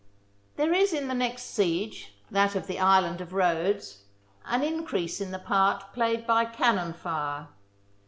There is in the next siege, that of the Island of Rhodes, an increase in the part played by cannon fire.